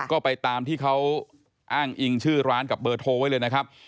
ก็ไปตามที่เขาอ้างอิงชื่อร้านกับเบอร์โทรไว้เลยนะครับ